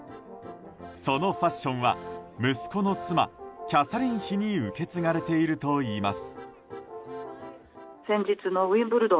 そのファッションは息子の妻キャサリン妃に受け継がれているといいます。